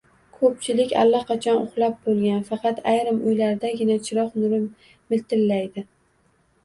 Koʻpchilik allaqachon uxlab boʻlgan, faqat ayrim uylardagina chiroq nuri miltillaydi